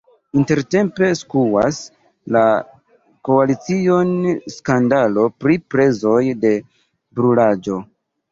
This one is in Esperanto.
Intertempe skuas la koalicion skandalo pri prezoj de brulaĵo.